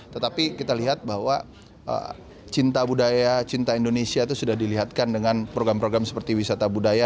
tetapi kita lihat bahwa cinta budaya cinta indonesia itu sudah dilihatkan dengan program program seperti wisata budaya